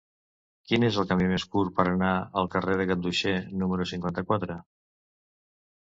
Quin és el camí més curt per anar al carrer de Ganduxer número cinquanta-quatre?